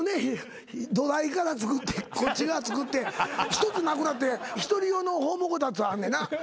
土台から作ってこっち側作って１つなくなって１人用のホームごたつあんねな。